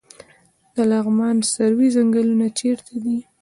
د لغمان سروې ځنګلونه چیرته دي؟